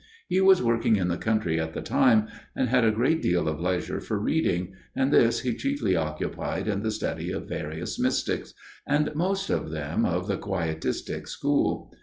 He was working in the country at the time, and had a great deal of leisure for reading, and this he chiefly occupied in the study of various mystics, and most of them of the Quietistic school.